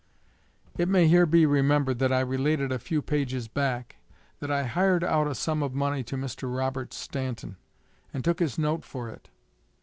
It may here be remembered, that I related a few pages back, that I hired out a sum of money to Mr. Robert Stanton, and took his note for it.